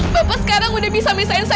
bapak sekarang udah bisa meleihin ibu saya